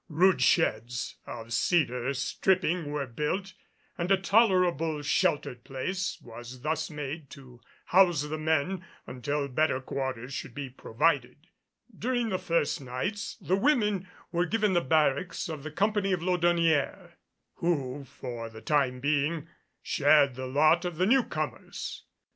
Rude sheds of cedar stripping were built and a tolerable sheltered place was thus made to house the men until better quarters should be provided. During the first nights the women were given the barracks of the company of Laudonnière, who, for the time being, shared the lot of the newcomers.